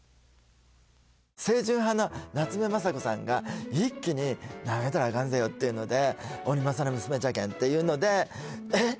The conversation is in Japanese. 清純派の夏目雅子さんが一気になめたらいかんぜよっていうので鬼政の娘じゃけんっていうのでえっ！？